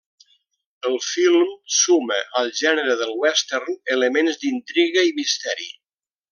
El film suma al gènere del western elements d'intriga i misteri.